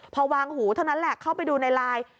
พอวางหูเท่านั้นแหละเข้าไปดูในไลน์